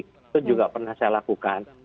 itu juga pernah saya lakukan